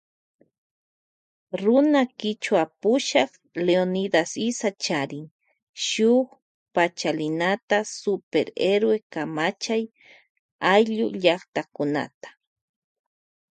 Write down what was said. Runa kichwa pushak Leonidas Iza charin shuk pachalinata Super Héroe kamachay ayllu llaktakunata.